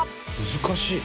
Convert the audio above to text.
難しい。